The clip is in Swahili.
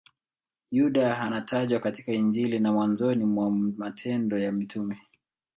Yuda anatajwa katika Injili na mwanzoni mwa Matendo ya Mitume.